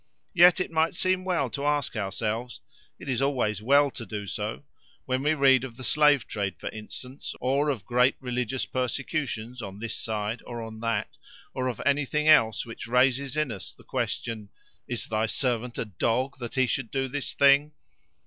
Yet it might seem well to ask ourselves—it is always well to do so, when we read of the slave trade, for instance, or of great religious persecutions on this side or on that, or of anything else which raises in us the question, "Is thy servant a dog, that he should do this thing?"